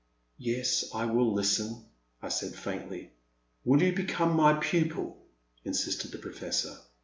Yes, I will listen, I said, faintly. Will you become my pupil?*' insisted the Professor.